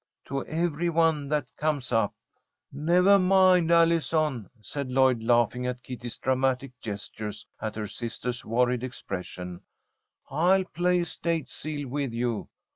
to every one that comes up." "Nevah mind, Allison," said Lloyd, laughing at Kitty's dramatic gestures and her sister's worried expression. "I'll play 'State seal' with you.